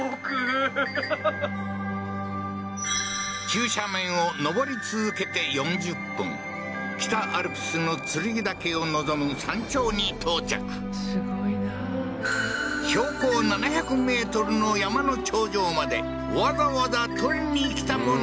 急斜面を登り続けて４０分北アルプスの剱岳を望む山頂に到着すごいな標高７００ｍの山の頂上までわざわざ採りにきたものとは？